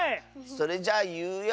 それじゃいうよ！